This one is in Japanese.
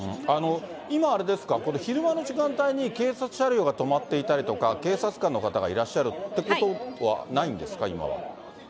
今、あれですか、昼間の時間帯に警察車両が止まっていたりですとか、警察官の方がいらっしゃるということは、ないんですか、今は。